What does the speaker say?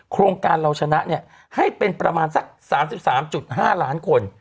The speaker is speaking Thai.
โครงการเราชนะเนี่ยให้เป็นประมาณสัก๓๓๕ล้านคน